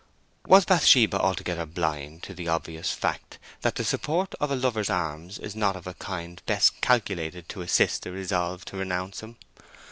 Was Bathsheba altogether blind to the obvious fact that the support of a lover's arms is not of a kind best calculated to assist a resolve to renounce him?